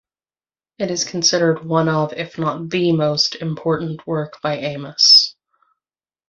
It is considered one of if not the most important work by Amos.